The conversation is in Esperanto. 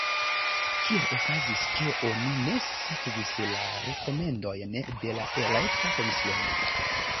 Kiel okazis, ke oni ne sekvis la rekomendojn de la elekta komisiono?